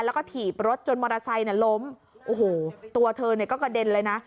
แล้วก็ถีบรถจนมอเตอร์ไซค์ล้มโอ้โหตัวเธอเนี่ยก็กระเด็นเลยนะ